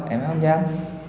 em mới không dám